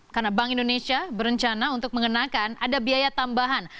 karena bank indonesia berencana untuk mengenakan ada biaya tambahan